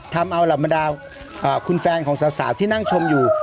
ทำเอาเหล่าบรรดาคุณแฟนของสาวที่นั่งชมอยู่